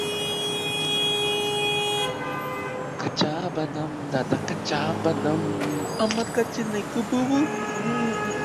এখানে ছাত্র এবং ছাত্রীদের আলাদা রুমে পড়ার সুযোগ রয়েছে।